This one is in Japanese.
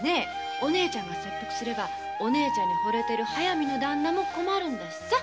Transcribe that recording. お姉ちゃんが切腹すればお姉ちゃんに惚れてる速水のダンナも困るんだしさ。